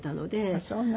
あっそうなの。